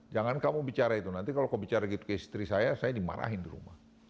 jangan kamu bicara itu nanti kalau kau bicara gitu ke istri saya saya dimarahin di rumah